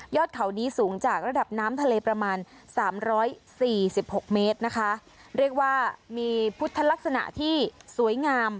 เขานี้สูงจากระดับน้ำทะเลประมาณสามร้อยสี่สิบหกเมตรนะคะเรียกว่ามีพุทธลักษณะที่สวยงาม